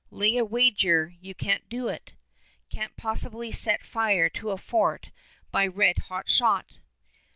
Lay a wager you can't do it! Can't possibly set fire to a fort by red hot shot!"